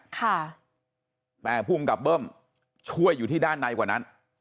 ค่ะแต่ภูมิกับเบิ้มช่วยอยู่ที่ด้านในกว่านั้น